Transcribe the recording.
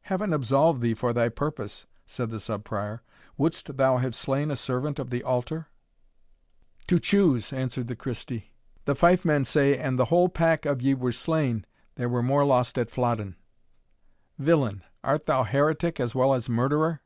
"Heaven absolve thee for thy purpose!" said the Sub Prior; "wouldst thou have slain a servant of the altar?" "To choose!" answered Christie; "the Fifemen say, an the whole pack of ye were slain, there were more lost at Flodden." "Villain! art thou heretic as well as murderer?"